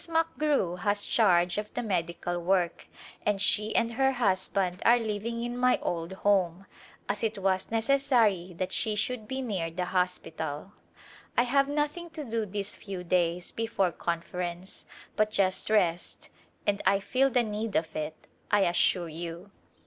McGrew has charge of the medical work and she and her husband are living in my old home, as it was necessary that she should be near the hospital. I have nothing to do these ^qw days before Confer ence but just rest and I feel the need of it, I assure you.